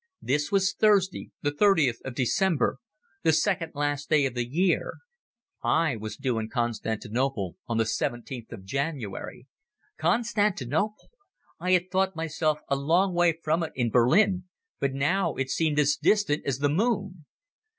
This was Thursday, the 30th of December, the second last day of the year. I was due in Constantinople on the 17th of January. Constantinople! I had thought myself a long way from it in Berlin, but now it seemed as distant as the moon.